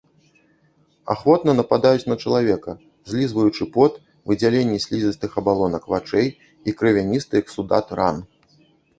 Ахвотна нападаюць на чалавека, злізваючы пот, выдзяленні слізістых абалонак вачэй і крывяністы эксудат ран.